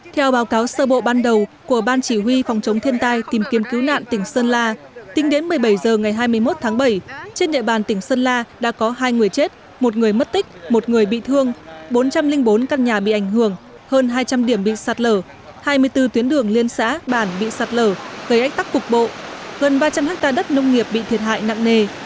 theo báo cáo sơ bộ ban đầu của ban chỉ huy phòng chống thiên tai tìm kiếm cứu nạn tỉnh sơn la tính đến một mươi bảy h ngày hai mươi một tháng bảy trên địa bàn tỉnh sơn la đã có hai người chết một người mất tích một người bị thương bốn trăm linh bốn căn nhà bị ảnh hưởng hơn hai trăm linh điểm bị sạt lở hai mươi bốn tuyến đường liên xã bản bị sạt lở gây ách tắc cục bộ gần ba trăm linh ha đất nông nghiệp bị thiệt hại nặng nề